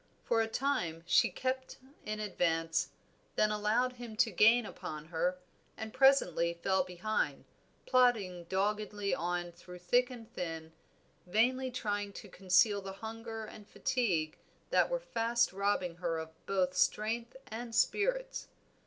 For a time she kept in advance, then allowed him to gain upon her, and presently fell behind, plodding doggedly on through thick and thin, vainly trying to conceal the hunger and fatigue that were fast robbing her of both strength and spirits.